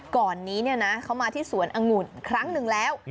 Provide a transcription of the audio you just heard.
ก่อนนี้เขามาที่สวนองุ่นครั้งหนึ่งแล้ว